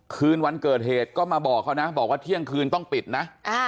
คืนวันเกิดเหตุก็มาบอกเขานะบอกว่าเที่ยงคืนต้องปิดนะ